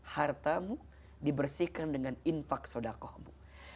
hartamu dibersihkan dengan infak sodakohmu